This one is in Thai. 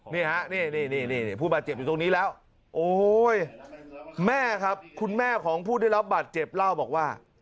นี่ฮะนี่ผู้บาดเจ็บอยู่ตรงนี้แล้วโอ้โหแม่ครับคุณแม่ของผู้ได้รับบาดเจ็บเล่าบอกว่า